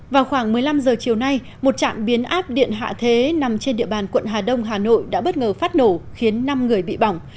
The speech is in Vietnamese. vào khoảng một mươi năm h chiều nay một trạm biến áp điện hạ thế nằm trên địa bàn quận hà đông hà nội đã bất ngờ phát nổ khiến năm người bị bỏng